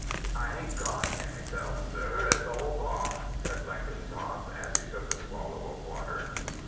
"I ain't got any Self, sir; it's all gone," said Blenkinsop, as he took a swallow of water.